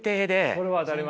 それは当たり前。